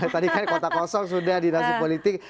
tadi kan kota kosong sudah dinasti politik